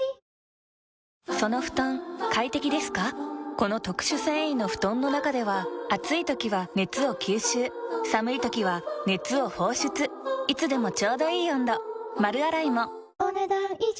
この特殊繊維の布団の中では暑い時は熱を吸収寒い時は熱を放出いつでもちょうどいい温度丸洗いもお、ねだん以上。